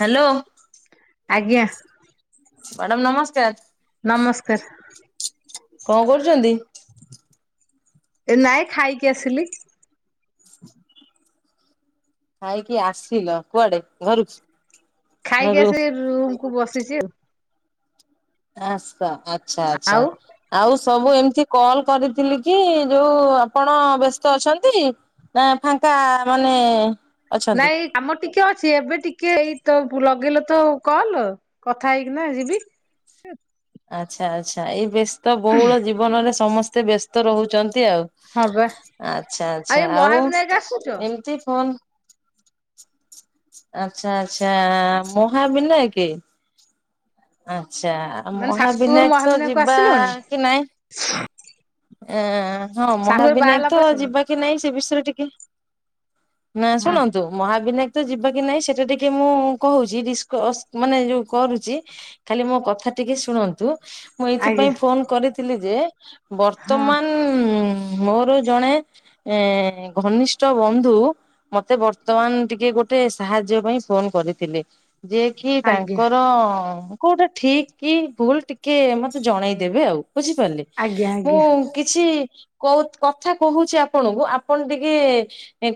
Hello. ଆଜ୍ଞା। Madam ନମସ୍କାର। ନମସ୍କାର। କଁ କରୁଛନ୍ତି? ଏ ନାଏ ଖାଇକି ଆସିଲି। [inaudible] ଖାଇକି ଆସିଲ କୁଆଡେ ଘରୁକୁ। ଖାଇକି ଆସି ରୁମ କୁ ବସିଚି ଆଉ। ଆସ ଆଛା ଆଛା। ଆଉ ଆଉ ସବୁ ଏମିତି କଲ କରିଥିଲି କି ଯୋଉ ଆପଣ ବ୍ୟସ୍ତ ଅଛନ୍ତି? ନା ଫାଙ୍କା ମାନେ ଅଛନ୍ତି। ନାଇଁ। ଆମ ଟିକେ ଅଛି ଏବେ ଟିକେ ଏଇ ତ ଲଗେଇଲ ତ କଲ କଥା ହେଇକିନା ଯିବି। ଆଚ୍ଛା ଆଚ୍ଛା, ଏଇ ବ୍ୟସ୍ତ ବହୁଳ ଜୀବନରେ ସମସ୍ତେ ବ୍ୟସ୍ତ ରହୁଛନ୍ତି ଆଉ। ହଁ ବା ଆଚ୍ଛା ଏ ଆଛା, ଆଉ ମହାବିନାୟକ ଆସୁଛ ଏମିତି ଫୋନ୍ ଆଛା ଆଚ୍ଛା, ମହାବିନାଏକେ। ଆଚ୍ଛା ମାନେ ଶାଶୁଘରୁ ମହାବିନାୟକ ତ ମହାବିନାୟକ ଯିବା ଆସିଲଣି କି ନାଇଁ [unintelligible] ଆ ହଁ ଶାଶୁଘରୁ ମହାବିନାୟକ ବାହାହେଲା ପରେ ତ ଆସିନ ଯିବା କି ନାଇଁ ସେ ବିଷୟରେ ଟିକେ ନାଁ ହଁ ଶୁଣନ୍ତୁ ତ ମହାବିନାୟକ ତ ଯିବା କି ନାହିଁ ସେଟା ଟିକେ ମୁଁ କହୁଛି ଡିସ୍କସ ମାନେ ଯୋଉ କରୁଚି। ଖାଲି ମୋ କଥା ଟିକେ ଶୁଣନ୍ତୁ। ମୁଁ ଆଜ୍ଞା ଏଇଥିପାଇଁ ଫୋନ କରିଥିଲି ଯେ ହଁ ବର୍ତ୍ତମାନ ଉ ମୋର ଜଣେ ଘନିଷ୍ଠ ଟ ବନ୍ଧୁ ମତେ ବର୍ତ୍ତମାନ ଟିକେ ଗୋଟେ ସାହାଯ୍ୟ ପାଇଁ ଫୋନ କରିଥିଲେ। ଯେଏ କିି ଆଜ୍ଞା ତାଙ୍କର କୋଉଟା ଠିକ କି ଭୁଲ ଟିକେ ମତେ ଜଣେଇଦେବେ ଆଉ ବୁଝିପାରିଲେ। ଆଜ୍ଞା ମୁଁ ଆଜ୍ଞା କିଛି କଉ କଥା କହୁଛି ଆପଣଙ୍କୁ ଆପଣ ଟିକେ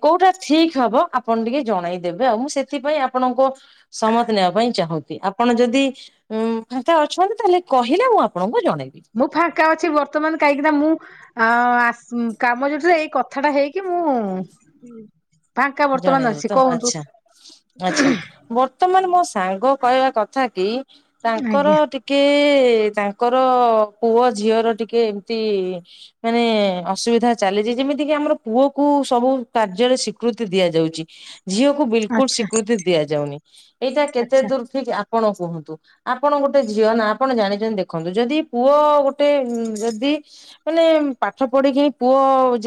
କୋଉଟା ଠିକ ହବ ଆପଣ ଟିକେ ଜଣେଇଦେବେ ଆଉ ମୁଁ ସେଥିପାଇଁ ଆପଣଙ୍କ ସମତି ନେବା ପାଇଁ ଚାହୁଁ ଚି ଆପଣ ଯଦି ଫାଙ୍କା ଉଁ ଅଛନ୍ତି ତାହେଲେ କହିଲେ ମୁଁ ଆପଣଙ୍କୁ ଜଣେଇବି। ମୁଁ ଫାଙ୍କା ଅଛି ବର୍ତ୍ତମାନ, କାହିଁକିନା ମୁଁ ଆ କାମ ରେ ଏଇ କଥାଟା ହେଇକି କି ମୁଁ ଫାଙ୍କା ବର୍ତ୍ତମାନ ଜଣେଇଦେବୀ ଅଛି ତ କୁହନ୍ତୁ ଆଚ୍ଛା ଆଛା ବର୍ ବର୍ତ୍ତ ମାନ ମୋ ସାଙ୍ଗ କହିବା କଥା କି ତାଙ୍କର ଆଜ୍ଞା ଟି କେ ତାଙ୍କର ପୁଅ ଝିଅର ଟିକେ ଏମତି ମାନେ ଅସୁବିଧା ଚାଲିଛି ଯେମିତି କିି ଆମର ପୁଅ କୁ ସବୁ କାର୍ଯ୍ୟରେ ସ୍ଵିକୃତି ଦିଆଯାଉଚି। ଝିଅକୁ ବିଲକୁଲ ଆଚ୍ଛା ସ୍ଵିକୃତି ଦିଆଯାଉନି। ଏଇଟା କେତେ ଆଚ୍ଛା ଦୂର ଠିକ୍? ଆ କଣ କୁହନ୍ତୁ? ଆପଣ ଗୋଟେ ଝିଅ ନା ଆପଣ ଜାଣିଚନ୍ତି ଦେଖନ୍ତୁ। ଯଦି ପୁଅ ଗୋଟେ ଉ ଯଦି ମାନେ ପାଠ ପଢିକି ହିଁ ପୁଅ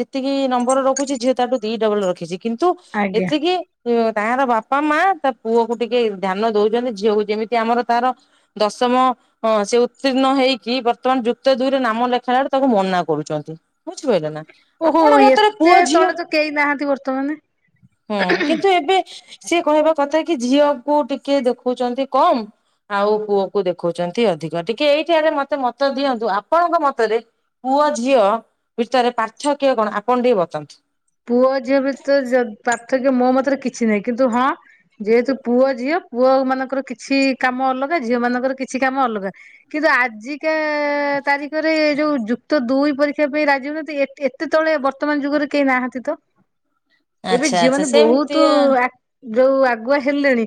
ଯେତିକି ନମ୍ବର ରଖୁଚି ଝିଅ ତାଠୁ ଦି ଡବଲ ରଖିଚି। ତୁ ଆଜ୍ଞା ଏତିକି ଏ ତାଙ୍କର ବାପା ମା ତା ପୁଅ କୁ ଟିକେ ଧ୍ୟାନ ଦଉଚନ୍ତି ଝିଅକୁ ଯେମିତି ଆମର ତାର ଦଶମ। ହଁ ସେ ଉତ୍ତୀର୍ଣ୍ଣ ହେଇକି ବର୍ତ୍ତମାନ ଯୁକ୍ତ ଦୁଇରେ ନାମ ଲେଖାଇ ବଡୁ ତାକୁ ମନା କରୁଚନ୍ତି। ବୁଝିପାରିଲେ ନା? ଓହୋ ଆପଣ ମତରେ ଏତେ ପୁଅ ଝିଅ ତଳେ ତ କେହି ନାହାନ୍ତି ବର୍ତ୍ତମାନ। ହୁଁ କିନ୍ତୁ ଏବେ ସିଏ କହିବା କଥା କି ଝିଅକୁ ଟିକେ ଦେଖଉଚନ୍ତି କମ। ଆଉ ପୁଅ କୁ ଦେଖଉଚନ୍ତି ଅଧିକ ଟିକେ। ଏଇଠି ରେ ମତେ ମତ ଦିଅନ୍ତୁ ଆପଣଙ୍କ ମତରେ ପୁଅ ଝିଅ ଭିତରେ ପାର୍ଥକ କଣ ଆପଣ ଟିକେ ବତାନ୍ତୁ। ପୁଅ ଝିଅ ଭିତରେ ପାର୍ଥକ୍ୟ ଯ ମୋ ମତରେ କିଛି ନାହିଁ କିନ୍ତୁ ହଁ। ଯେହେତୁ ପୁଅ ଝିଅ, ପୁଅ ମାନଙ୍କର କିଛି କାମ ଅଲଗା। ଝିଅ ମାନଙ୍କର କିଛି କାମ ଅଲଗା। କିନ୍ତୁ ଆଜିକା ତାରିଖରେ ଯୋଉ ଯୁକ୍ତ ଦୁଇ ପରୀ ଦେଖିବା ପାଇଁ ରାଜିନୁହାନ୍ତି ଏତେ ତଳେ ବର୍ତ୍ତମାନ ଯୁଗରେ କେହି ନାହାନ୍ତି ତ। ଏବେ ଆଚ୍ଛା ଝିଅ ଆଚ୍ଛା ମାନେ ସେମିତି ବହୁତ ଆକ୍ ଯୋଉ ଆଗୁଆ ହେଲେଣି।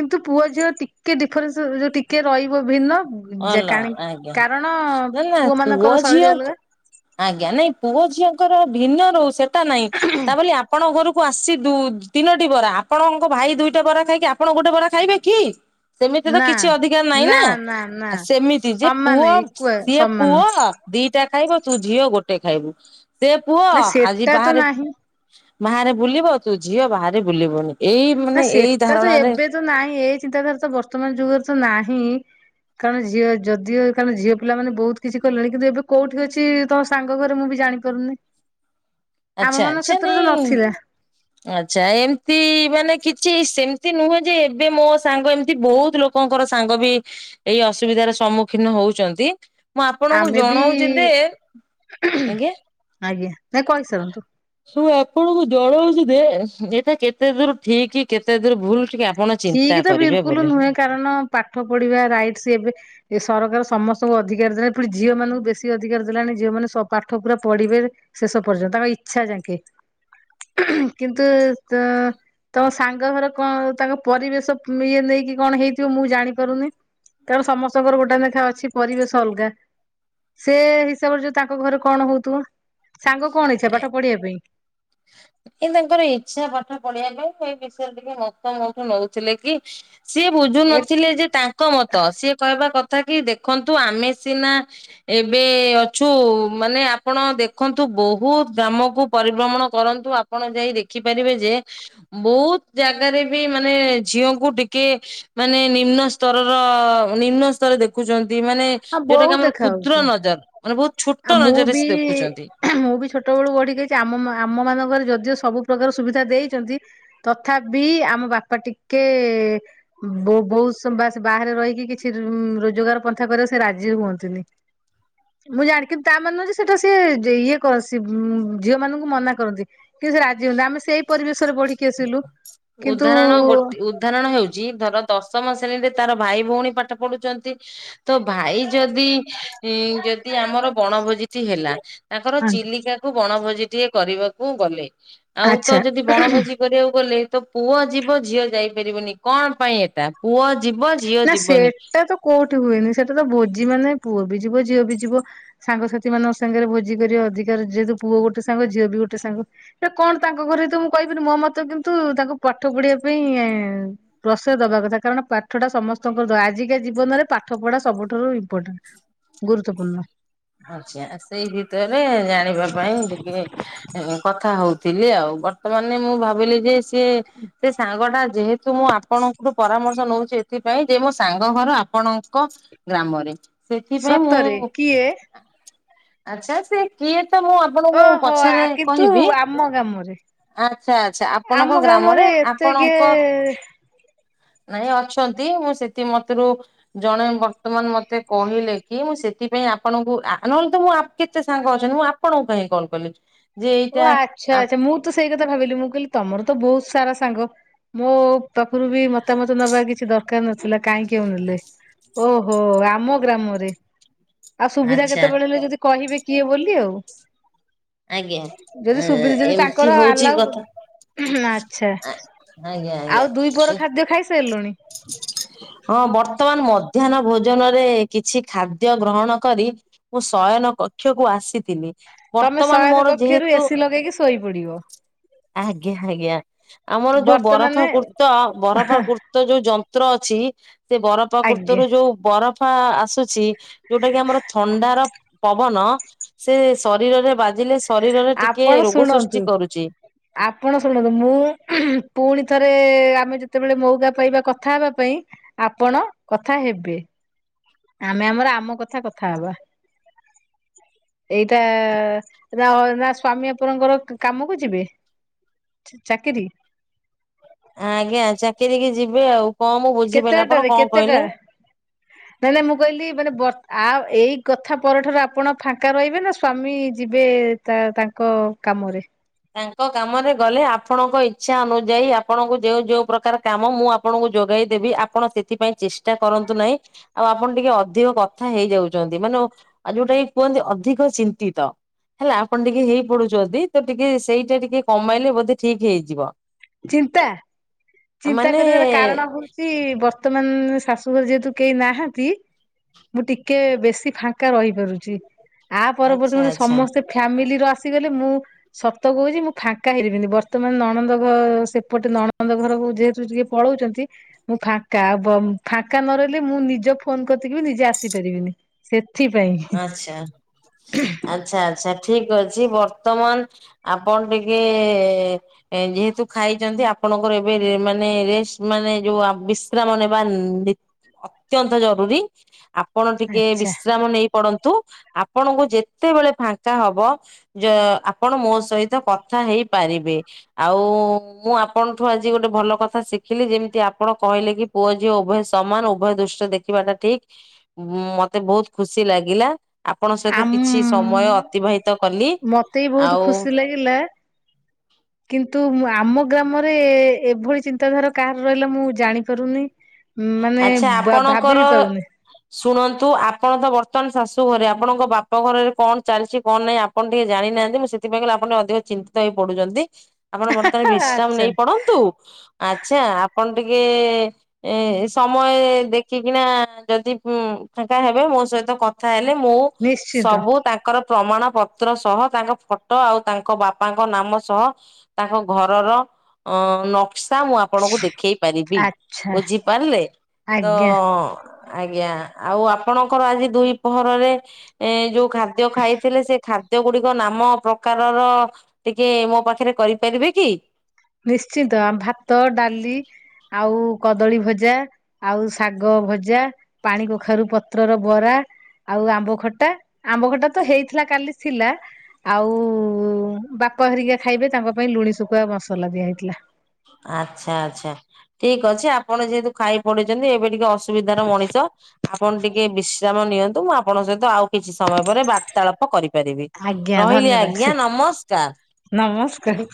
କିନ୍ତୁ ପୁଅ ଝିଅ ଟିକେ ଡିଫରେନ୍ସ ଯୋଉ ଟିକେ ରହିବ ଭିନ୍ନ। ଅଲ ଆଜ୍ଞା କାରଣ ନ ନା ପୁଅ ମାନଙ୍କର ଶୈଳୀ ଅଲଗା ଝିଅକୁ ଆଜ୍ଞା ନାଇଁ ପୁଅ ଝିଅଙ୍କର ଭିନ୍ନ ରହୁ ସେଟା ନାଇଁ। ତା ବୋଲି ଆ ଆପଣଙ୍କ ଘରକୁ ଆସି ଦୁ ତିନୋଟି ବରା। ଆପଣଙ୍କ ଭାଇ ଦୁଇଟା ବରା ଖାଇକି ଆପଣ ଗୋଟେ ବରା ଖାଇବେ କି? ସେମିତି ତ ନା କିଛି ଅଧିକାର ନାହିଁ ନା। ସେମିତି ଯେ ସମାନ ପୁଅ ଇକ୍ୱା ସିଏ ସମାନ ପୁଅ ଦିଟା ଖାଇବ ତୁ ଝିଅ ଗୋଟେ ଖାଇବୁ। ସେ ପୁଅ ନା ଆଜି ସେଟା ତ ବାହାରେ ନାହିଁ। ବାହାରେ ବୁଲିବ ତୁ ଝିଅ ବାହାରେ ବୁଲିବୁନି। ଏଇ ମାନେ ଏଇ ଧାରଣାରେ ନ୍ତୁ ନାହିଁ ଏଇ ଚିନ୍ତାଧାରା ତ ବର୍ତ୍ତମାନ ଯୁଗରେ ତ ନାହିଁ। କାରଣ ଝିଅ ଯଦିଓ କାରଣ ଝିଅ ପିଲାମାନେ ବହୁତ୍ କିଛି କଲେଣି। କିନ୍ତୁ ଏବେ କୋଉଠି ଅଛି ତୋ ସାଙ୍ଗ ଘରେ ମୁଁ ବି ଜାଣିପାରୁନି। ଆମ ଆଚଛା ମାନଙ୍କ ସେ ମୁ କ୍ଷେତ୍ରରେ ତ ନଥିଲା ଆଚ୍ଛା ଏମିତି ମାନେ କିଛି ସେମିତି ନୁହେଁ ଯେ ଏବେ ମୋ ସାଙ୍ଗ ଏମିତି ବହୁତ ଲୋକ କଙ୍କର ସାଙ୍ଗ ବି ଏଇ ଅସୁବିଧାର ସମ୍ମୁଖୀନ ହଉଚନ୍ତି। ମୁଁ ଆପଣଙ୍କୁ ଆମେ ବି ଜଣଉଚି ଯେ ଆଜ୍ଞା। ଆଜ୍ଞା ନାଇଁ କହିସାରନ୍ତୁ। ତୁ ଆପଣଙ୍କୁ ଜଣଉଚି ଯେ ଏଇଟା କେତେ ଦୂର ଠିକ କେତେ ଦୂର ଭୁଲ ଟିକେ ଆପ ଠିକ ତ ବିଲକୁଲ ନୁହେଁ କାରଣ ପାଠ ପଢିବା ରାଇଟସ ଏବେ ଏ ସରକାର ସମସ୍ତଙ୍କୁ ଅଧିକାର ଦେଲେ। ପୁଣି ଝିଅ ମାନଙ୍କୁ ବେଶୀ ଅଧିକାର ଦେଲାଣି। ଝିଅ ମାନ ପାଠ ପୁରା ପଢିବେ। ଶେଷ ପର୍ଯ୍ୟନ୍ତ ତାଙ୍କ ଇଚ୍ଛା ଯାକେ। କିନ୍ତୁ ତ ତ ସାଙ୍ଗ ଘର କଣ ତାଙ୍କ ପରିବେଶ ଇଏ ନେଇକି କଣ ହେଇଥିବ ମୁଁ ଜାଣି ପାରୁନି। କାରଣ ସମସ୍ତଙ୍କର ଗୋଟେ ନେଖା ଅଛି ପରିବେଶ ଅଲଗା। ସେ ହିସାବରେ ଯୋଉ ତାଙ୍କ ଘରେ କଣ ହଉଥିବ, ସାଙ୍ଗ କଣ ଇଚ୍ଛା ପାଠ ପଢିବା ପାଇଁ? ଏ ତାଙ୍କର ଇଚ୍ଛା ପାଠ ପଢିବା ପାଇଁ ସେଇ ବିଷୟରେ ଟିକେ ମତ ମୋଠୁ ନଉଥିଲେ କି ସିଏ ବୁଝୁ ଏ ନଥିଲେ ଯେ ତାଙ୍କ ମତ। ସିଏ କହିବା କଥା କି ଦେଖନ୍ତୁ ଆମେ ସିନା ଏବେ ଅଛୁ ମାନେ ଆପଣ ଦେଖନ୍ତୁ ବହୁତ ଗ୍ରାମକୁ ପରିଭ୍ରମଣ କରନ୍ତୁ। ଆପଣ ଯାଇ ଦେଖିପାରିବେ ଯେ ବହୁତ ଜାଗାରେ ବି ମାନେ ଝିଅଙ୍କୁ ଟିକେ ମାନେ ନିମ୍ନ ସ୍ତରର ନିମ୍ନ ସ୍ତର ଦେ କୁଚନ୍ତି ମାନେ ହଁ ଯୋଉଟା କି ବହୁତ ଆମର ଦେଖା ହଉଛି। କ୍ଷୁଦ୍ର ନଜର ମାନେ ବହୁତ ଆଉ ଛୋଟ ମୁଁ ନଜରରେ ବି ସେ ଦେଖୁଚନ୍ତି। ମୁଁ ବି ଛୋଟ ବେଳୁ ବଢ଼ିକି ଆଇଚି ଆମ ମା ଆମମାନଙ୍କରେ ଯଦିଓ ସବୁ ପ୍ରକାର ସୁବିଧା ଦେଇଚନ୍ତି ତଥାବି ଆମ ବାପା ଟିକେ ଉଁ ବୋ ବହୁତ ସମ୍ବା ଆସି ବାହାରେ ରହିକି କିଛି ରୁଁ ରୋଜଗାର ପନ୍ଥା କରିବା ସେ ରାଜି ହୁଅନ୍ତିନି। ମୁଁ ଜାଣି କିନ୍ତୁ ତା ମାନେ ନୁହଁ ଯେ ସେଟା ସିଏ ଯେ ଇଏ କ ସି ଉଁ ଝିଅମାନୁଙ୍କୁ ମନା କରନ୍ତି। କି ସେ ରାଜି ହୁଅନ୍ତି ଆମେ ସେଇ ପରିବେଶରେ ବଢିକି ଆସିଲୁ କିନ୍ତୁ ତରଣ ହଉଚି ଧର ଦଶମ ଶ୍ରେଣୀରେ ତାର ଭାଇ ଭଉଣୀ ପାଠ ପଢୁଚନ୍ତି ତ ଭାଇ ଯଦି ଇଁ ଯଦି ଆମର ବଣଭୋଜିଟି ହେଲା ତାଙ୍କର ଚିଲିକା କୁ ବଣଭୋଜି ଟିଏ କରିବାକୁ ଗଲେ ଆଉ ତ ଯଦି ଆଚ୍ଛା। ବଣଭୋଜି କରିବାକୁ ଗଲେ ତ ପୁଅ ଯିବ ଝିଅ ଯାଇପାରିବନି କଣ ପାଇଁ ଏଟା ପୁଅ ଯିବ ଝିଅ ନାଁ ଯିବନି। ସେଟା ତ କୋଉଠି ହୁଏନି ସେଟା ତ ଭୋଜି ମାନେ ପୁଅ ବି ଯିବ ଝିଅ ବି ଯିବ। ସାଙ୍ଗସାଥିମାନଙ୍କ ସାଙ୍ଗରେ ଭୋଜି କରିବା ଅଧିକାର ଯେହେତୁ ପୁଅ ଗୋଟେ ସାଙ୍ଗ ଝିଅ ବି ଗୋଟେ ସାଙ୍ଗ। ଏ କଣ ତାଙ୍କ ଘରେ ତ ମୁଁ କହିବିନି ମୋ ମତ କିନ୍ତୁ ତାଙ୍କୁ ପାଠ ପଢ଼ିବା ପାଇଁ ପ୍ରସୟ ଦବା କଥା କାରଣ ପାଠଟା ସମସ୍ତଙ୍କର ଆଜିକା ଜୀବନରେ ପାଠ ପଢ଼ା ସବୁଠାରୁ ଇମ୍ପୋଣ୍ଟା ଗୁରୁତ୍ୱପୂର୍ଣ୍ଣ। ଅଛି ଆ ସେଇ ଭିତରେ ଜାଣିବା ପାଇଁ ଟିକେ ଏଁ କଥା ହଉଥିଲି ଆଉ ବର୍ତ୍ତମାନେ ମୁଁ ଭାବିଲି ଯେ ସିଏ ଏ ସାଙ୍ଗଟା ଯେହେତୁ ମୋ ଆ ପଣଙ୍କଠୁ ପରାମର୍ଶ ନୋଉଚି ଏଥିପାଇଁ ଯେ ମୋ ସାଙ୍ଗ ଘର ଆପଣଙ୍କ ଗ୍ରାମରେ। ସେଥିପାଇଁ ମୁଁ ସତରେ କିଏ? ଆଚ୍ଛା ସେ କିଏ ତ ମୁଁ ଆପଣଙ୍କୁ ଓହୋ ପଛରେ କିନ୍ତୁ କହିବି। ଆମ ଗ୍ରାମରେ ଆଚ୍ଛା ଆଚ୍ଛା ଆପଣଙ୍କ ଆମ ଗ୍ରାମରେ ଏତେ ଆପଣଙ୍କ କିଏ ନାଇଁ ଅଛନ୍ତି ମୁଁ ସେଠି ମତରୁ ଜଣେ ବର୍ତ୍ତମାନ ମ ତେ କହିଲେ କି ମୁଁ ସେଥିପାଇଁ ଆପଣଙ୍କୁ ଆ ନହେଲେ ତ ମୁଁ ଆ କେତେ ସାଙ୍ଗ ଅଛନ୍ତି ମୁଁ ଆପଣଙ୍କୁ କାହିଁ କଲ୍ କଲି? ଯେ ଓ ଏଇଟା ଆଚ୍ଛା ଆ ଆଚ୍ଛା ମୁଁ ତ ସେଇ କଥା ଭାବିଲି ମୁଁ କହିଲି ତମର ତ ବୋହୁତ ସାରା ସାଙ୍ଗ ମୋ ପାଖୁରୁ ବି ମତାମତ ନବା କିଛି ଦରକାର ନଥିଲା କାହିଁକି ଆଉ ନେଲେ। ଓହୋ ଆମ ଗ୍ରାମରେ ଆଉ ସୁବିଧା ଆଚ୍ଛା କେତୋବେଳେ ହେଲେ ଯଦି କହିବେ କିଏ ବୋଲି ଆଉ। ଆଜ୍ଞା। ଯଦି ଏ ସୁବି ଯଦି ଏମିତି ତାଙ୍କର ହଉଛି ଆଲାଉ କଥା ଆଚ୍ଛା ଆ ଆଜ୍ଞା ଆଉ ଦୁଇ ପଅର ଖାଦ୍ୟ ଖାଇସାଇଲୁଣି? ହ ହଁ ବର୍ତ୍ତମାନ ମଧ୍ୟାହ୍ନ ଭୋଜନରେ କିଛି ଖାଦ୍ୟ ଗ୍ରହଣ କରି ମୁଁ ଶୟନ କକ୍ଷକୁ ଆସିଥିଲି। ତମେ ବର୍ତ୍ତମାନ ଶୟନ ମୋର କକ୍ଷରୁ ଏ ଯେହେତୁ ସିି ଲଗେଇକି ଶୋଇ ପଡ଼ିବ। ଆଜ୍ଞା ଆଜ୍ଞା ଆମର ଯୋଉ ବର୍ତ୍ତମାନେ ବରଫାକୁର୍ତ୍ତ ବରଫାକୁର୍ତ୍ତ ଯୋଉ ଉ ଯନ୍ତ୍ର ଅଛି ସେ ଆଜ୍ଞା ବରପାକୁର୍ତରୁ ଓଉ ବରଫା ଆସୁଛି ଯୋଉଟା କି ଆମର ଥଣ୍ଡାର ପବନ। ସେ ଶରୀରରେ ବାଜିଲେ ଶରୀରରେ ଟିକେ ଆପଣ ରୋଗ ଶୁଣନ୍ତୁ ସୃଷ୍ଟି କରୁଚି। ଆପଣ ଶୁଣନ୍ତୁ ମୁଁ ପୁଣି ଥରେ ଆମେ ଯେତେବେଳେ ମୋଉକା ପାଇବା କଥା ହେବା ପାଇଁ ଆପଣ କଥା ହେବେ। ଆମେ ଆମର ଆମ କଥା କଥା ହବା। [inaudible] ଏଇଟା ରା ଅନା ସ୍ଵାମୀ ଆପଣଙ୍କର କ୍ କାମକୁ ଯିବେ? ଚା -ଚାକିରି ଆଜ୍ଞା ଚାକିରି କି ଯିବେ ଆଉ। କଣ ମୁଁ ବୁଝିପାରିଲି ଆପଣ କେତେଟାରେ କଣ କେତେଟା କହିଲେ? ନାଇଁ ନାଇଁ ମୁଁ କହିଲି ମାନେ ବର୍ତ୍ତ ଆ ଏଇ କଥା ପରଠାରୁ ଆପଣ ଫାଙ୍କା ରହିବେ ନା ସ୍ଵାମୀ ଯିବେ ତା ତାଙ୍କ କାମରେ। ତାଙ୍କ କାମରେ ଗଲେ ଆପଣଙ୍କ ଇଚ୍ଛା ଅନୁଯାୟୀ ଆପଣଙ୍କୁ ଯଉ ଯୋଉ ପ୍ରକାର କାମ ମୁଁ ଆପ ଆପଣଙ୍କୁ ଯୋଗାଇଦେବି ଆପଣ ସେଥିପାଇଁ ଚେଷ୍ଟା କରନ୍ତୁ ନାହିଁ। ଆଉ ଆପଣ ଟିକେ ଅଧିକ କଥା ହେଇଯାଉଚନ୍ତି। ମାନେ ଯୋଉଟା କି କୁହନ୍ତି ଅଧିକ ଚିନ୍ତିତ। ହେଲା ଆପଣ ଟିକେ ହେଇ ପଡୁଛନ୍ତି ତ ଟିକେ ସେଇଟା ଟିକେ କମେଇଲେ ବୋଧେ ଠିକ ହେଇଯିବ। ଚିନ୍ତା, ଚିନ୍ତା ମାନେ କରିବାର କାରଣ ହୋଉ ଚି ବର୍ତ୍ତମାନ ଶାଶୁଘରେ ଯେହେତୁ କେହି ନାହାନ୍ତି ମୁଁ ଟିକେ ବେଶୀ ଫାଙ୍କା ରହିପାରୁଚି। ଆ ଆଚ୍ଛା ପରବର୍ତ୍ତ ଆଚ୍ଛା ସମସ୍ତେ ଫ୍ୟାମିଲି ର ଆସିଗଲେ ମୁଁ ସତ କହୁଛି ମୁଁ ଫାଙ୍କା ହେବିନି ବର୍ତ୍ତମାନ ନଣନ୍ଦ କ ସେପଟେ ନଣନ୍ଦ ଘରକୁ ଯେହେତୁ ଟିକେ ପଳଉଚନ୍ତି ମୁଁ ଫାଙ୍କା। ବ ଫାଙ୍କା ନ ରହିଲେ ମୁଁ ନିଜ ଫୋନ କତିକି ବି ନିଜେ ଆସିପାରିବିନି। ସେଥିପାଇଁ। ଆଚ୍ଛା। ଆଚ୍ଛା ଆଚ୍ଛା ଠିକ ଅଛି ବର୍ତ୍ତମାନ ଆପଣ ଟିକେ ଯେହେତୁ ଖାଇଚନ୍ତି ଆପଣଙ୍କର ଏବେ ମାନେ ରେସ୍ ମାନେ ଯୋଉ ବିଶ୍ରାମ ନେବା ନି ଅତ୍ୟନ୍ତ ଜରୁରୀ ଆପଣ ଟିକେ ଆଚ୍ଛା ବିଶ୍ରାମ ନେଇ କରନ୍ତୁ ଆପଣଙ୍କୁ ଯେତେବେଳେ ଫାଙ୍କା ହବ ଯ ଆପଣ ମୋ ସହିତ କଥା ହେଇପାରିବେ ଆଉ ମୁଁ ଆପଣଙ୍କଠୁ ଆଜି ଗୋଟେ ଭଲ କଥା ଶିଖିଲି ଯେମିତି ଆପଣ କହିଲେ କି ପୁଅ ଝିଅ ଉଭୟ ସମାନ ଉଭୟ ଦୃଷ୍ଟିରେ ଦେଖ ଦେଖିବା ଟା ଠିକ। ମୋତେ ବହୁତ ଖୁସି ଲାଗିଲା। ଆପଣଙ୍କ ସହିତ ଆମ କିଛି ସମୟ ଅତିବାହିତ କଲି। ଆଉ ଥିଲା ହଁ କିନ୍ତୁ ଆମ ଗ୍ରାମରେ ଏଭଳି ଚିନ୍ତାଧାରା କାହାର ରହିଲା ମୁଁ ଜାଣି ପାରୁନି। ମାନେ ଆଚ୍ଛା ଭା-ଭାବି ଆପଣଙ୍କର ବି ପାରୁନି। ଶୁଣନ୍ତୁ ଆପଣ ତ ବର୍ତ୍ତମାନ ଶାଶୁ ଘରେ ଆପଣଙ୍କ ବାପ ଘରେରେ କଣ ଚାଲିଛି କଣ ନାହିଁ ଆ ଆପଣ ଟିକେ ଜାଣିନାହାନ୍ତି ମୁଁ ସେଥିପାଇଁ କହିଲି ଆପଣ ଅଧିକ ଚିନ୍ତିତ ହେଇ ପଡୁଚନ୍ତି। ଆପଣ ବର୍ତ୍ତମାନ ବିଶ୍ରାମ ଆଚ୍ଛା ନେଇ ପଡନ୍ତୁ ଆଚ୍ଛା ଆପଣ ଟିକେ ଏ ସମୟ ଦେଖିକିନା ଯଦି ଫାଙ୍କା ହେବେ ମୋ ସହିତ କଥା ହେଲେ ମୁଁ ନିଶ୍ଚିତ। ସବୁ ତାଙ୍କ୍ ତାଙ୍କର ପ୍ରମାଣ ପତ୍ର ସହ ତାଙ୍କ ଫଟୋ ଆଉ ତାଙ୍କ ବାପାଙ୍କ ନାମ ସହ ତାଙ୍କ ଘରର ଅ ନ ନକ୍ସା ମୁଁ ଆପଣଙ୍କୁ ଦେଖେଇ ପାରିବି ଆଚ୍ଛା ବୁଝିପାରିଲେ ତ ଆଜ୍ଞା ଆଜ୍ଞା ଆଉ ଆପଣଙ୍କର ଆଜି ଦୁଇ ପ୍ରହରରେ ଏ ଯୋଉ ଖାଦ୍ୟ ଖାଇଥିଲେ ସେ ଖା ଖାଦ୍ୟ ଗୁଡିକ ନାମ ପ୍ରକାରର ଟିକେ ମୋ ପାଖରେ କରିପାରିବେ କି। ନିଶ୍ଚିନ୍ତ ଭାତ, ଡାଲି ଆଉ କଦଳୀ ଭଜା। ଆଉ ଶାଗ ଭଜା, ପାଣି କଖାରୁ ପତ୍ରର ବରା। ଆଉ ଆମ୍ବ ଖଟା ଆମ୍ବ ଖଟା ତ ହେଇଥିଲା କାଲି ଥିଲା। ଆଉ ବାପା ହେରିକା ଖାଇବେ ତାଙ୍କ ପାଇଁ ଲୁଣି ଶୁଖୁଆ ମସଲା ଦିଆ ହେଇଥିଲା। ଆଚ୍ଛା ଆଚ୍ଛା ଠିକ ଅଛି ଆପଣ ଯେହେତୁ ଖାଇ ପଡିଚନ୍ତି ଏବେ ଟିକେ ଅ ଅସୁବିଧାର ମଣିଷ ଆପଣ ଟିକେ ବିଶ୍ରାମ ନିଅନ୍ତୁ ମୁଁ ଆପଣଙ୍କ ସହିତ ଆଉ କିଛି ସମୟ ପରେ ବାର୍ତ୍ତାଳାପ କରିପାରିବେ ଆଜ୍ଞା ରହିଲି ଧନ୍ୟବାଦ ଆଜ୍ଞା ନମସ୍କାର। ନମସ୍କାର